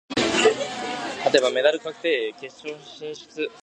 勝てばメダル確定、決勝進出。